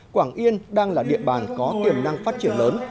quảng yên đang là địa bàn có tiềm năng phát triển lớn